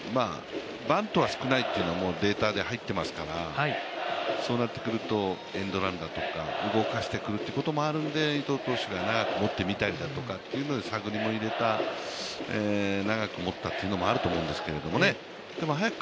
バントは少ないっていうのはもうデータで入っていますから、そうなってくるとエンドランだとか動かしてくるということもあるので伊藤投手がどう放ってくるのか探りも入れた、長くもったっていうのもあると思うんですけどね。